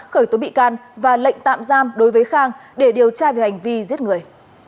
khởi tố bị can và lệnh tạm giam đối với khang để điều tra về hành vi giết người